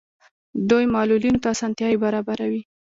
دوی معلولینو ته اسانتیاوې برابروي.